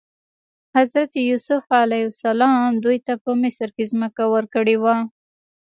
حضرت یوسف علیه السلام دوی ته په مصر کې ځمکه ورکړې وه.